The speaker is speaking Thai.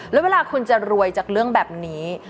แล้วเวลาคุณจะรวยจากเรื่องแบบนี้